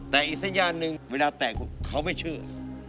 แต่อีกสัญญาณหนึ่งเวลาแตกเขาไม่เชื่อ